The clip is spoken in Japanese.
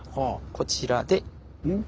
こちらで。